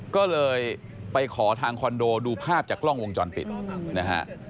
ก็เลยไปขอทางคอนโดดูภาพจากกล้องวงจรปิดนะฮะ